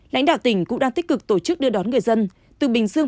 lãnh đạo tỉnh cũng đang tích cực tổ chức đưa đón người dân từ bình dương